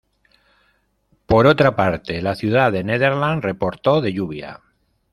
Por otra parte, la ciudad de Nederland reportó de lluvia.